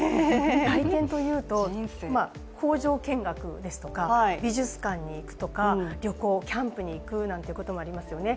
体験というと、工場見学ですとか美術館に行くとか、旅行、キャンプに行くということもありますよね。